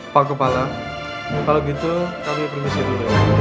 pak kepala kalau gitu kami permisi dulu